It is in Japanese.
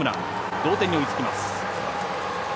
同点に追いつきます。